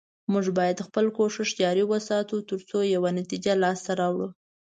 موږ باید خپل کوشش جاري وساتو، تر څو یوه نتیجه لاسته راوړو